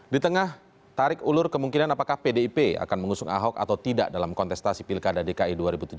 di tengah tarik ulur kemungkinan apakah pdip akan mengusung ahok atau tidak dalam kontestasi pilkada dki dua ribu tujuh belas